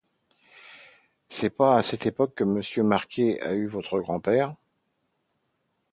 C’est pas à cette époque que monsieur Marquet a eu votre grand-père ?